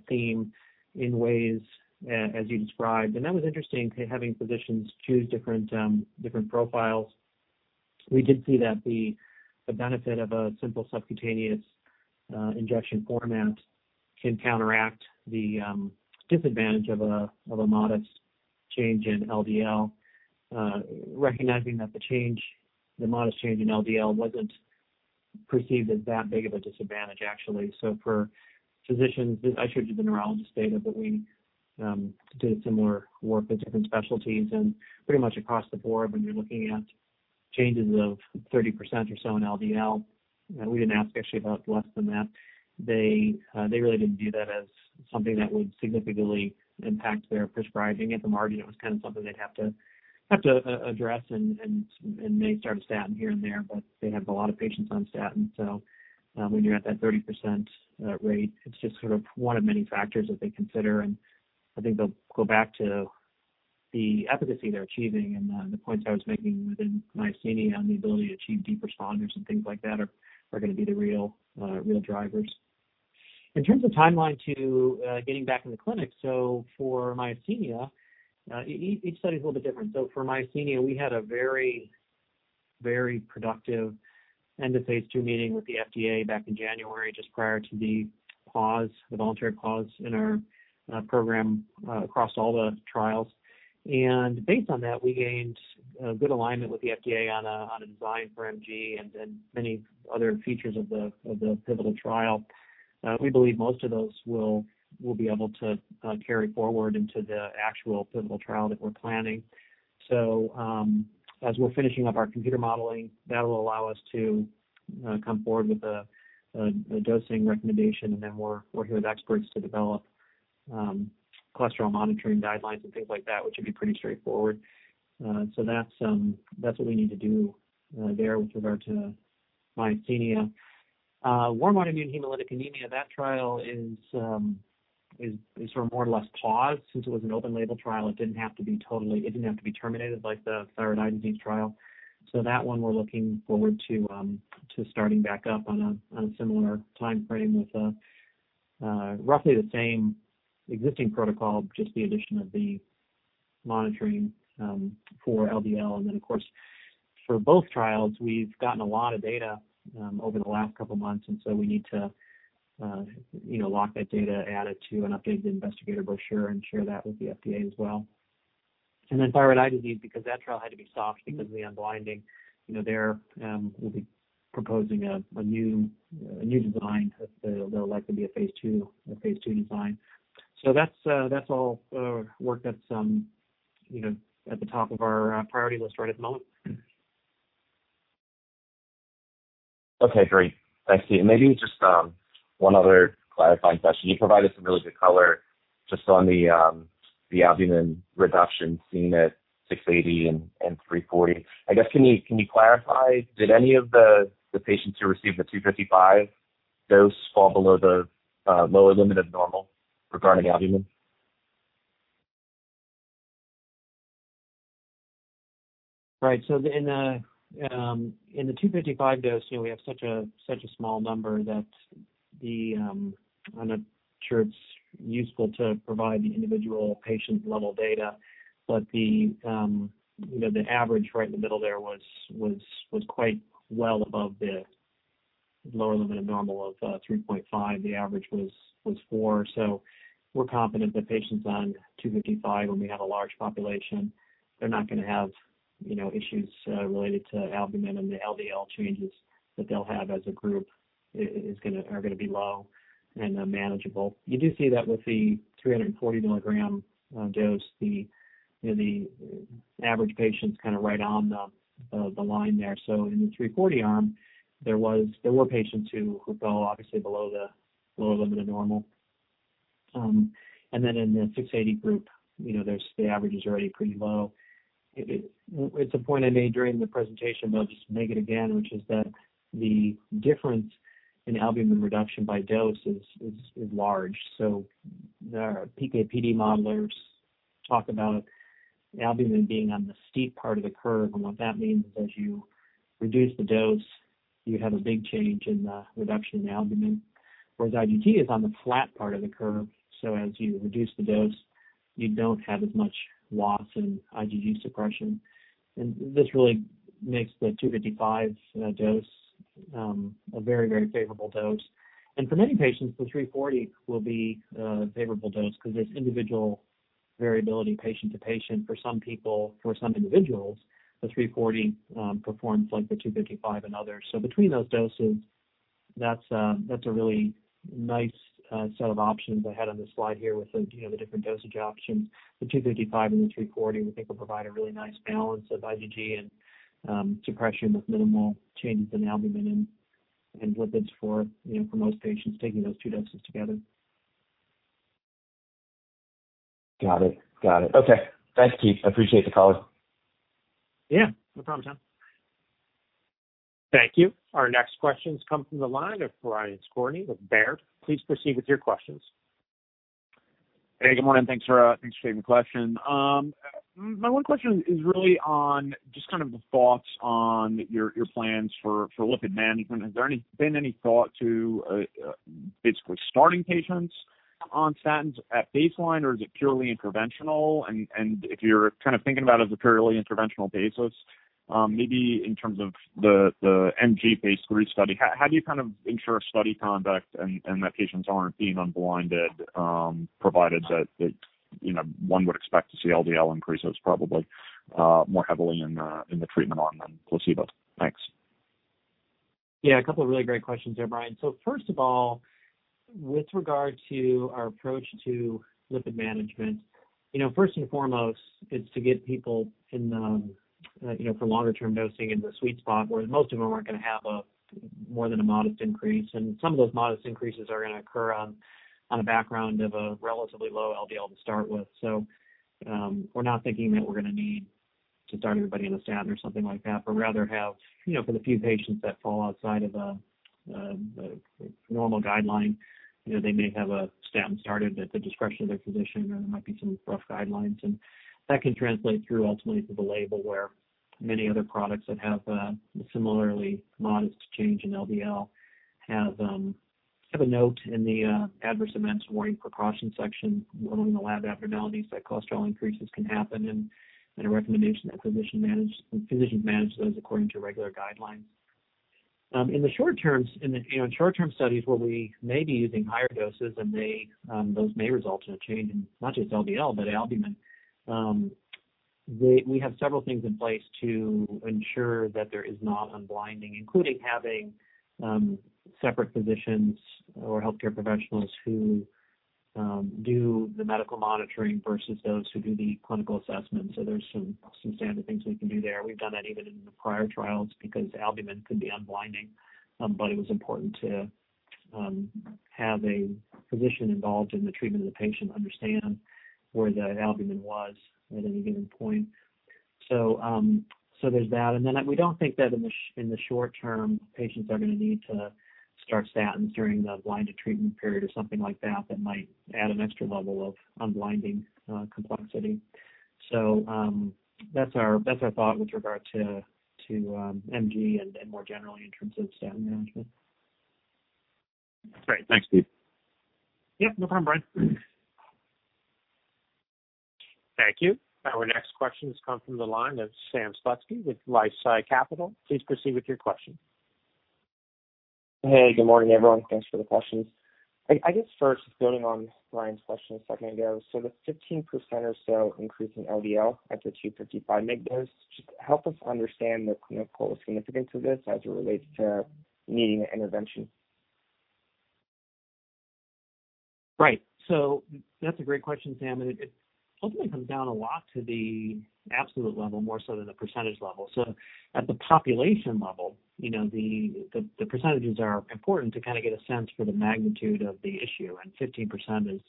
theme in ways as you described. That was interesting, having physicians choose different profiles. We did see that the benefit of a simple subcutaneous injection format can counteract the disadvantage of a modest change in LDL, recognizing that the modest change in LDL wasn't perceived as that big of a disadvantage, actually. For physicians, I showed the neuronal data. We did similar work with different specialties and pretty much across the board, when you're looking at changes of 30% or so in LDL, we didn't ask actually about less than that. They really didn't view that as something that would significantly impact their prescribing at the margin. It was something they have to address and may start a statin here and there, but they have a lot of patients on statin. When you're at that 30% rate, it's just one of many factors that they consider, and I think they'll go back to the efficacy they're achieving and the points I was making within myasthenia and the ability to achieve deeper responders and things like that are going to be the real drivers. In terms of timeline to getting back in the clinic, for myasthenia, each study is a little bit different. For myasthenia, we had a very productive end-of-phase II meeting with the FDA back in January, just prior to the voluntary pause in our program across all the trials. Based on that, we gained good alignment with the FDA on a design for MG and then many other features of the pivotal trial. We believe most of those will be able to carry forward into the actual pivotal trial that we're planning. As we're finishing up our computer modeling, that'll allow us to come forward with a dosing recommendation, and then work with experts to develop cholesterol monitoring guidelines and things like that, which will be pretty straightforward. That's what we need to do there with regard to myasthenia. Warm autoimmune hemolytic anemia, that trial is more or less paused. Since it was an open-label trial, it didn't have to be terminated like the thyroid disease trial. That one we're looking forward to starting back up on a similar timeframe with roughly the same existing protocol, just the addition of the monitoring for LDL. Of course, for both trials, we've gotten a lot of data over the last couple of months, we need to lock that data, add it to an updated investigator brochure, and share that with the FDA as well. Thyroid eye disease, because that trial had to be stopped because of the unblinding, there we'll be proposing a new design. There'll likely be a phase II design. That's all work that's at the top of our priority list right at the moment. Okay, great. Thanks. Maybe just one other clarifying question. You provided some really good color just on the albumin reduction seen at 680 mg and 340 mg. I guess, can you clarify, did any of the patients who received the 255 mg dose fall below the lower limit of normal regarding albumin? In the 255 mg dose, we have such a small number that I'm not sure it's useful to provide the individual patient's level data. The average right in the middle there was quite well above the lower limit of normal of 3.5. The average was 4. We're confident that patients on 255 mg, when we have a large population, they're not going to have issues related to albumin and the LDL changes that they'll have as a group are going to be low and manageable. You do see that with the 340 mg dose, the average patient's right on the line there. In the 340 mg arm, there were patients who fell obviously below the lower limit of normal. In the 680 mg group, the averages are already pretty low. It's a point I made during the presentation, but I'll just make it again, which is that the difference in albumin reduction by dose is large. There are PK/PD modelers talk about albumin being on the steep part of the curve, and what that means is as you reduce the dose, you have a big change in the reduction in albumin. Whereas IgG is on the flat part of the curve, so as you reduce the dose, you don't have as much loss in IgG suppression. This really makes the 255 mg dose a very favorable dose. For many patients, the 340 mg will be a favorable dose because there's individual variability patient to patient. For some people, for some individuals, the 340 mg performs like the 255 mg in others. Between those doses, that's a really nice set of options I had on the slide here with the different dosage options. The 255 mg and the 340 mg, we think, will provide a really nice balance of IgG supression with minimal changes in albumin and lipids for most patients taking those two doses together. Got it. Okay. Thanks, Pete. Appreciate the call. Yeah. No problem, Tom. Thank you. Our next questions come from the line of Brian Skorney with Baird. Please proceed with your questions. Hey, good morning. Thanks for taking the question. My one question is really on just kind of the thoughts on your plans for lipid management. Has there been any thought to basically starting patients on statins at baseline, or is it purely interventional? If you're kind of thinking about it as a purely interventional basis, maybe in terms of the MG phase III study, how do you ensure study conduct and that patients aren't being unblinded, provided that one would expect to see LDL increases probably more heavily in the treatment arm than placebo? Thanks. Yeah, a couple of really great questions there, Brian. First of all, with regard to our approach to lipid management, first and foremost, it's to get people for longer-term dosing in the sweet spot where most of them aren't going to have more than a modest increase. Some of those modest increases are going to occur on a background of a relatively low LDL to start with. We're not thinking that we're going to need to start everybody on a statin or something like that, but rather have, for the few patients that fall outside of the normal guideline, they may have a statin started at the discretion of their physician. There might be some rough guidelines, and that can translate through ultimately to the label where many other products that have a similarly modest change in LDL have a note in the adverse events, warnings, precautions section warning of lab abnormalities that cholesterol increases can happen, and a recommendation that the physician manage those according to regular guidelines. In the short-term studies where we may be using higher doses and those may result in a change in not just LDL, but albumin, we have several things in place to ensure that there is not unblinding, including having separate physicians or healthcare professionals who do the medical monitoring versus those who do the clinical assessment. There's some standard things we can do there. We've done that even in the prior trials because albumin can be unblinding, but it was important to have a physician involved in the treatment of the patient to understand where the albumin was at any given point. There's that. We don't think that in the short term, patients are going to need to start statins during the blinded treatment period or something like that might add an extra level of unblinding complexity. That's our thought with regard to MG and more generally in terms of statin management. Great. Thanks, Pete. Yeah, no problem, Brian. Thank you. Our next question comes from the line of Sam Slutsky with LifeSci Capital. Please proceed with your question. Hey, good morning, everyone. Thanks for the questions. I just first building on Brian's question a second ago. The 15% or so increase in LDL at the 255 mg dose, just help us understand the clinical significance of this as it relates to needing an intervention? Right. That's a great question, Sam, and it ultimately comes down a lot to the absolute level, more so than the percentage level. At the population level, the percentages are important to get a sense for the magnitude of the issue and 15% is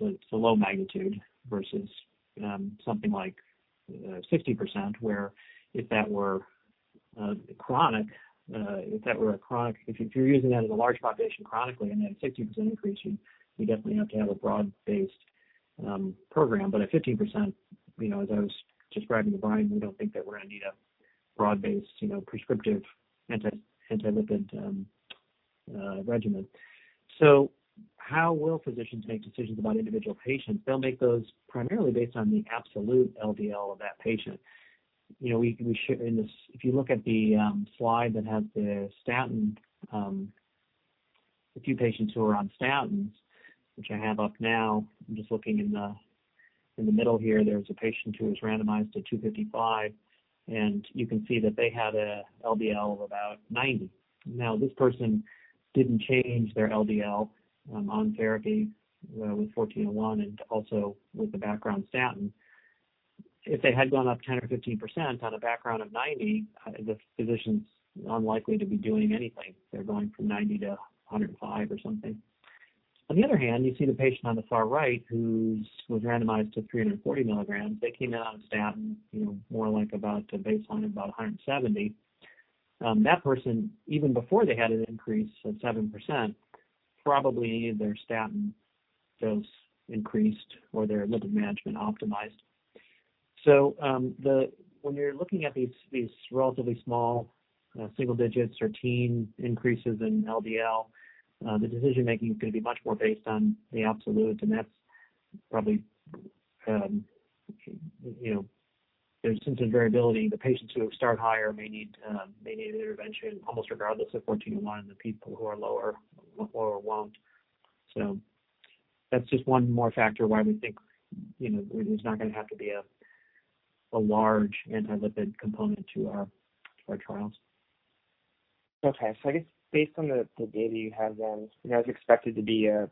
a low magnitude versus something like 60%, where if that were chronic, if you're using that in a large population chronically and at a 60% increase, you definitely have to have a broad-based program. At 15%, as I was describing to Brian, we don't think that we're going to need a broad-based, prescriptive anti-lipid regimen. How will physicians make decisions about individual patients? They'll make those primarily based on the absolute LDL of that patient. If you look at the slide that has the statin, a few patients who are on statins, which I have up now, I'm just looking in the middle here, there's a patient who was randomized to 255 mg, and you can see that they had an LDL of about 90. This person didn't change their LDL on therapy with 1401 and also with a background statin. If they had gone up 10% or 15% on a background of 90, the physician's unlikely to be doing anything. They're going from 90 to 105 or something. You see the patient on the far right who was randomized to 340 mg. They came in on a statin, more like about a baseline of about 170. That person, even before they had an increase of 7%, probably needed their statin dose increased or their lipid management optimized. When you're looking at these relatively small single digits or teen increases in LDL, the decision-making is going to be much more based on the absolutes, and that's probably their sense of variability. The patients who start higher may need intervention almost regardless of 1401 than people who are lower won't. That's just one more factor why we think it's not going to have to be a large anti-lipid component to our trials. Okay. I guess based on the data you have then, I was expecting it to be a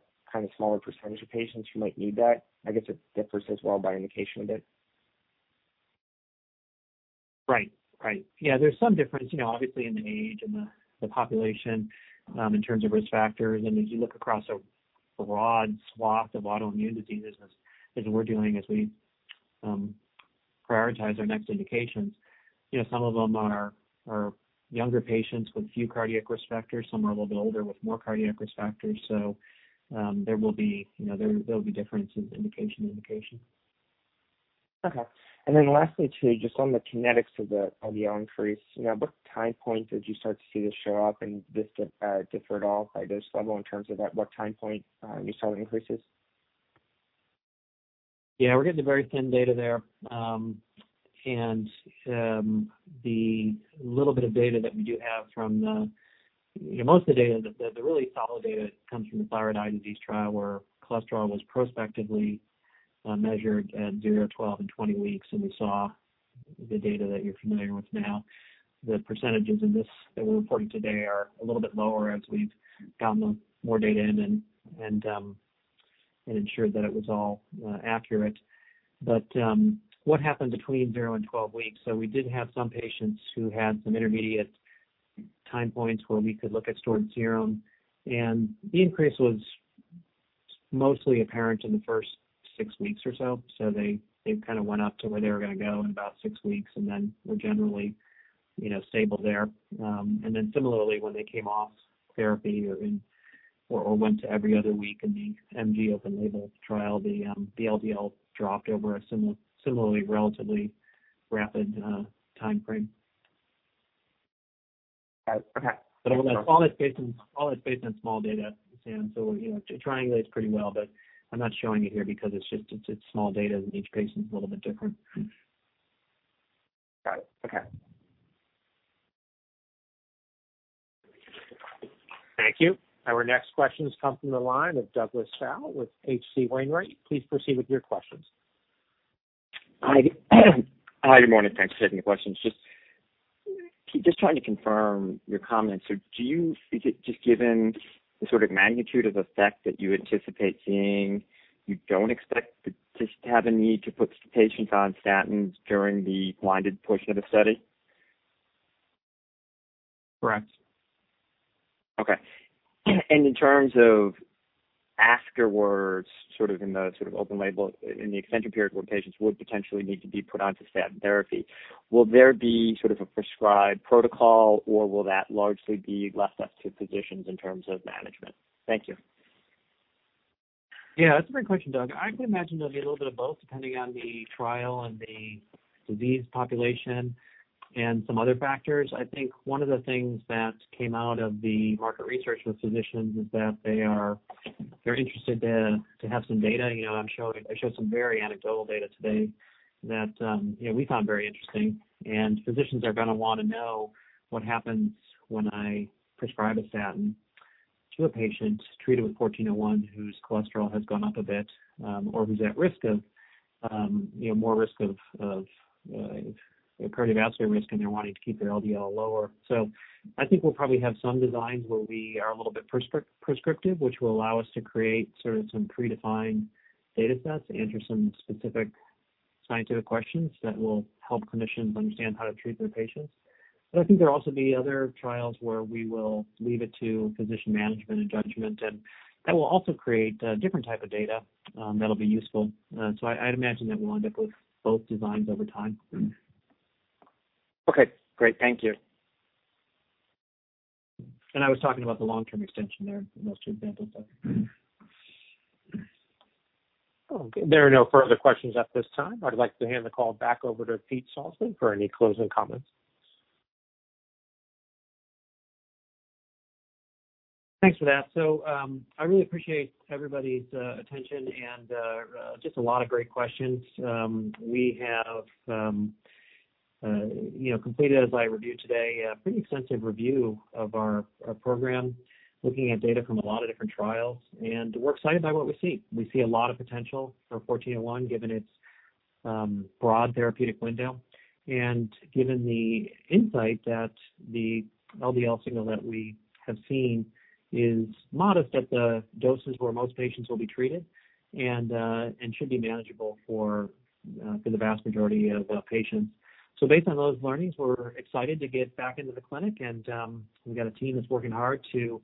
smaller percentage of patients who might need that. I guess it differs as well by indication a bit. Right. Yeah, there's some difference, obviously, in the age and the population, in terms of risk factors. If you look across a broad swath of autoimmune diseases, as we're doing as we prioritize our next indications, some of them are younger patients with few cardiac risk factors. Some are a little bit older with more cardiac risk factors. There will be differences indication to indication. Okay. Lastly, too, just on the kinetics of the increase, what time points did you start to see this show up and this differed at all by dose level in terms of at what time point you saw the increases? Yeah, we have very thin data there. Most of the data, the really solid data, comes from the thyroid eye disease trial where cholesterol was prospectively measured at zero, 12, and 20 weeks, and we saw the data that you're familiar with now. The percentages that we're reporting today are a little bit lower as we've gotten more data in and ensured that it was all accurate. What happened between zero and 12 weeks? We did have some patients who had some intermediate time points where we could look at stored serum, and the increase was mostly apparent in the first six weeks or so. They went up to where they were going to go in about six weeks and then were generally stable there. Similarly, when they came off therapy or went to every other week in the MG open label trial, the LDL dropped over a similarly relatively rapid timeframe. Okay. All that's based on small data. It triangulates pretty well, but I'm not showing it here because it's just small data and each patient's a little bit different. Got it. Okay. Thank you. Our next question comes from the line of Douglas Tsao with H.C. Wainwright. Please proceed with your questions. Good morning. Thanks for taking the questions. Just trying to confirm your comments. Do you think, just given the sort of magnitude of effect that you anticipate seeing, you don't expect to have a need to put patients on statins during the blinded portion of the study? Correct. Okay. In terms of afterwards, in the sort of open label, in the extension period where patients would potentially need to be put onto statin therapy, will there be sort of a prescribed protocol, or will that largely be left up to physicians in terms of management? Thank you. Yeah, that's a great question, Doug. I can imagine there'll be a little bit of both, depending on the trial and the disease population and some other factors. I think one of the things that came out of the market research with physicians is that they are very interested to have some data. I showed some very anecdotal data today that we found very interesting, and physicians are going to want to know what happens when I prescribe a statin to a patient treated with 1401 whose cholesterol has gone up a bit, or who's at more risk of cardiovascular risk, and they're wanting to keep their LDL lower. I think we'll probably have some designs where we are a little bit prescriptive, which will allow us to create sort of some predefined data sets to answer some specific scientific questions that will help clinicians understand how to treat their patients. I think there will also be other trials where we will leave it to physician management and judgment, and that will also create a different type of data that'll be useful. I imagine that we'll end up with both designs over time. Okay, great. Thank you. I was talking about the long-term extension there in those two examples. Okay, there are no further questions at this time. I'd like to hand the call back over to Pete Salzmann for any closing comments. Thanks for that. I really appreciate everybody's attention and just a lot of great questions. We have completed, as I reviewed today, a pretty extensive review of our program, looking at data from a lot of different trials. We're excited by what we see. We see a lot of potential for 1401, given its broad therapeutic window and given the insight that the LDL signal that we have seen is modest at the doses where most patients will be treated and should be manageable for the vast majority of patients. Based on those learnings, we're excited to get back into the clinic, and we've got a team that's working hard to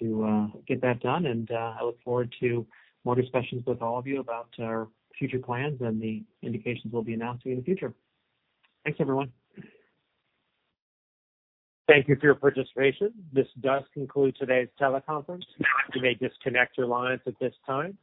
get that done, and I look forward to more discussions with all of you about our future plans and the indications we'll be announcing in the future. Thanks, everyone. Thank you for your participation. This does conclude today's teleconference. You may disconnect your lines at this time.